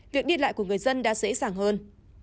việc đi lại của người dân đã dễ dàng hơn